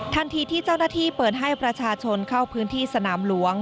ทันทีที่เจ้าหน้าที่เปิดให้ประชาชนเข้าพื้นที่สนามหลวง